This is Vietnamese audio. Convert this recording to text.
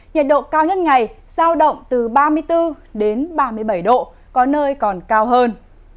nhiệt độ cao nhất ngày giao động từ ba mươi bốn đến ba mươi bảy độ có nơi còn cao hơn